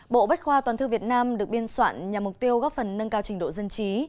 bộ bách khoa toàn thư việt nam được biên soạn nhằm mục tiêu góp phần nâng cao trình độ dân trí